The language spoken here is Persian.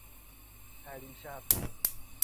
پریشب